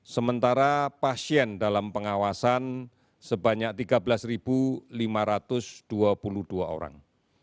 sementara pasien dalam pengawasan sebanyak tiga belas lima ratus dua puluh dua orang